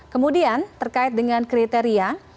kemudian terkait dengan kriteria